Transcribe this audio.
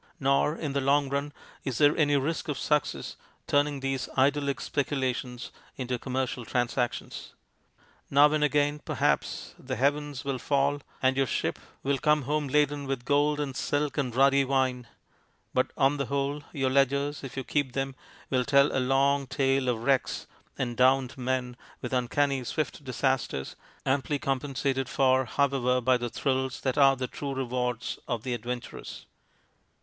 Nor, in the long run, is there any risk of success turning these idyllic speculations into commercial transactions. Now and again, perhaps, the heavens will fall, and your ship will come home laden with gold and silk and ruddy wine. But on the whole your ledgers, if you keep them, will tell a long tale of wrecks and drowned men and uncanny swift disasters, amply compensated for, however, by the thrills that are the true rewards of the adventurous.